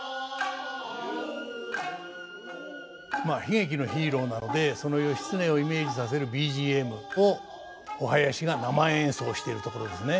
まあ悲劇のヒーローなのでその義経をイメージさせるＢＧＭをお囃子が生演奏してるところですね。